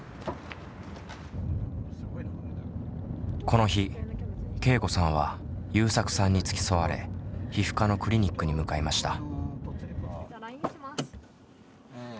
この日けいこさんはゆうさくさんに付き添われ皮膚科のクリニックに向かいました。